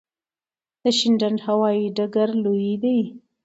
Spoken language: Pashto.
د شینډنډ هوايي ډګر لوی دی